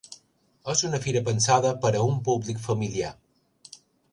És una fira pensada per a un públic familiar.